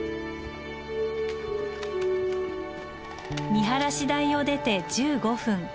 見晴台を出て１５分。